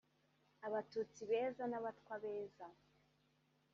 abatutsi beza n’abatwa beza